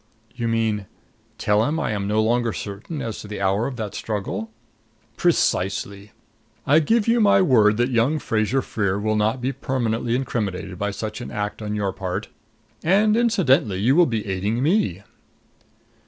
"You mean tell him I am no longer certain as to the hour of that struggle?" "Precisely. I give you my word that young Fraser Freer will not be permanently incriminated by such an act on your part. And incidentally you will be aiding me."